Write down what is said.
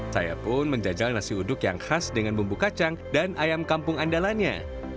saya pun menjajal nasi uduk yang khas dengan bumbu kacang dan ayam kampung andalannya